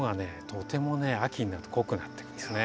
とてもね秋になると濃くなってくるんですね。